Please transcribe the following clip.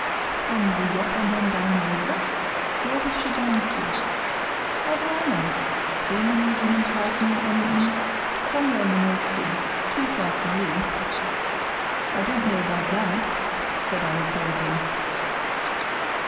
"And the yacht went on down the river? Where was she bound to?" "How do I know? Bremen, Wilhelmshaven, Emden—somewhere in the North Sea; too far for you." "I don't know about that," said I, bravely.